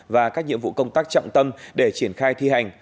và các nhiệm vụ công tác trọng tâm để triển khai thi hành